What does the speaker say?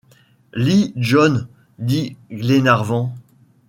Lis, John, » dit Glenarvan.